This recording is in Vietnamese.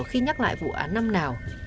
khi nhắc lại vụ án năm nào